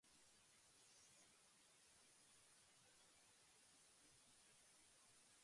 その間、彼は何も言わなかった。無言のまま、軟体生物の死骸に埋もれていった。